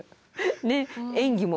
ねっ演技も。